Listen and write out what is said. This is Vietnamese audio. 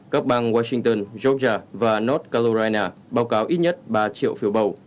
các bang washington georgia và north carolina báo cáo ít nhất ba triệu phiếu bầu